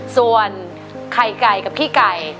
ส่วนไข่ไก่กับขี้ไก่